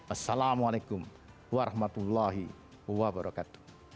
assalamualaikum warahmatullahi wabarakatuh